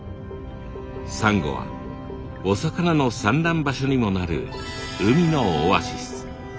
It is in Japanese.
サンゴはお魚の産卵場所にもなる海のオアシス。